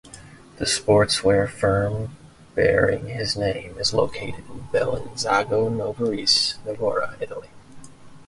The sportswear firm bearing his name is located in Bellinzago Novarese, Novara, Italy.